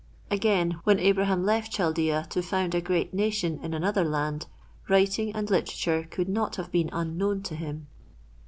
Again, when Abraham left Chaldea to found a great nation in another land, writing and literature could not have been unknown to him.